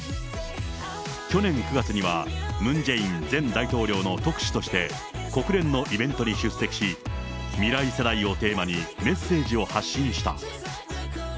去年９月には、ムン・ジェイン前大統領の特使として、国連のイベントに出席し、未来世代をテーマに、メッセージを発信した。